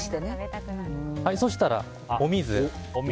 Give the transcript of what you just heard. そしたらお水。